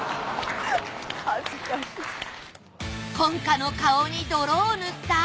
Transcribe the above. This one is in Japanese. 婚家の顔に泥を塗った！？